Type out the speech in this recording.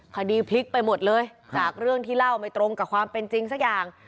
คดีพลิกไปหมดเลยจากเรื่องที่เล่าไม่ตรงกับความเป็นจริงสักอย่าง